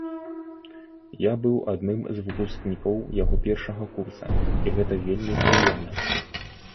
Я быў адным з выпускнікоў яго першага курса, і гэта вельмі прыемна.